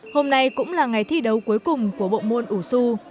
hôm nay cũng là ngày thi đấu cuối cùng của đoàn đắk lắc